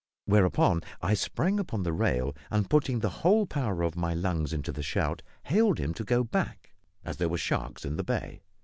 Whereupon, I sprang upon the rail, and, putting the whole power of my lungs into the shout, hailed him to go back, as there were sharks in the bay.